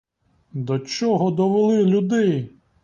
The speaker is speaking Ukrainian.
До чого довели людей!